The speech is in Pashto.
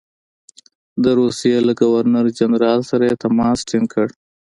د روسیې له ګورنر جنرال سره یې تماس ټینګ کړ.